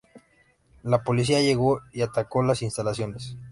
La policía llegó y atacó las instalaciones.